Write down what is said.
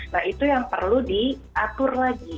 nah itu yang perlu diatur lagi